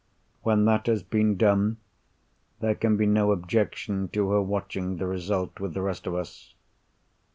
When that has been done, there can be no objection to her watching the result, with the rest of us.